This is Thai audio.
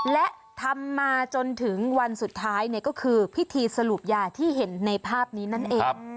และทำมาจนถึงวันสุดท้ายก็คือพิธีสรุปยาที่เห็นในภาพนี้นั่นเอง